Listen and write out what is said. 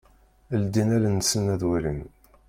Ldin allen-nsen ad walin.